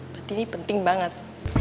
berarti ini penting banget